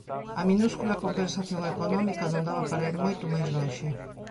A minúscula compensación económica non daba para ir moito máis lonxe.